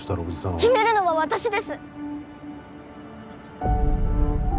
決めるのは私です！